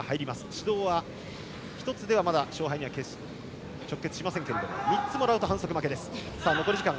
指導は１つではまだ勝敗には直結しませんが３つもらうと反則負け。